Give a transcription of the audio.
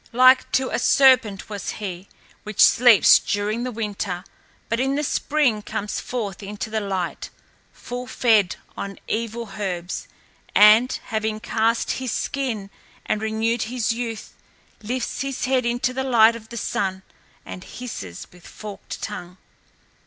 Like to a serpent was he, which sleeps indeed during the winter, but in the spring comes forth into the light, full fed on evil herbs, and, having cast his skin and renewed his youth, lifts his head into the light of the sun and hisses with forked tongue.